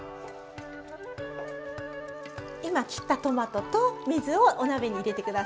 今切ったトマトと水をお鍋に入れて下さい。